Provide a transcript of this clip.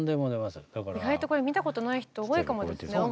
スタジオ意外とこれ見たことない人多いかもですね